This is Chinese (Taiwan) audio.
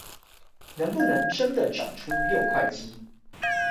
能不能真的長出六塊肌